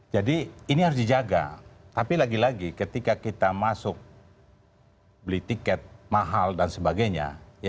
jadi ini harus dijaga tapi lagi lagi ketika kita masuk beli tiket mahal dan sebagainya